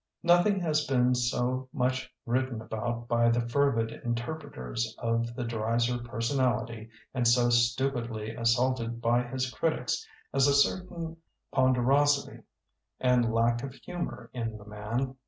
Nothing has been so much written about by the fervid interpreters of the Dreiser personality and so stupidly as saulted by his critics as a certain pon derosity and lack of humor in the man.